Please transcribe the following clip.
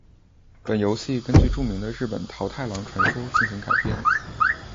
本游戏根据著名的日本桃太郎传说进行改编。